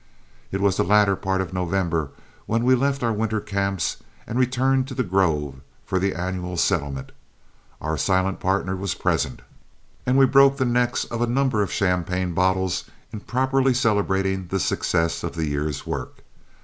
It was the latter part of November when we left our winter camps and returned to The Grove for the annual settlement. Our silent partner was present, and we broke the necks of a number of champagne bottles in properly celebrating the success of the year's work.